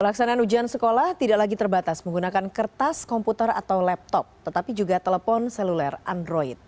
pelaksanaan ujian sekolah tidak lagi terbatas menggunakan kertas komputer atau laptop tetapi juga telepon seluler android